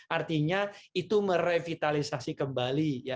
artinya itu merevitalisasi kembali